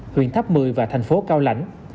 huyện tháp mười và thành phố cao lãnh